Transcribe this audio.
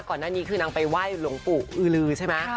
ก่อนหน้านี้คือนางไปไหว้หลวงปู่อือลือใช่ไหม